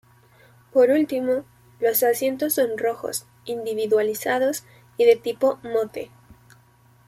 Por último, los asientos son rojos, individualizados y de tipo "Motte".